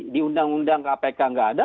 di undang undang kpk nggak ada